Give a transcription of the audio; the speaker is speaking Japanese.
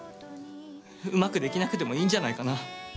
うまくできなくてもいいんじゃないかな。